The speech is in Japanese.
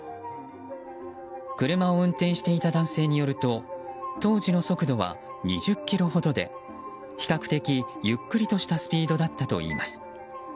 車を運転していた男性によると当時の速度は２０キロほどで比較的、ゆっくりとしたスピードだったといいます。